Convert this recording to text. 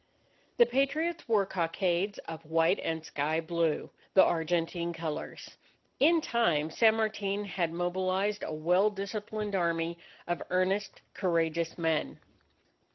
The Patriots wore cockades of white and sky blue, the Argentine colours. In time, San Martin had mobilized a well disciplined army of earnest courageous men.